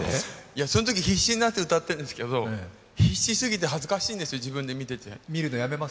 そのとき必死になって歌ってるんですけど、必死すぎて恥ずかしいんですよ、自分で見てて見るのやめます？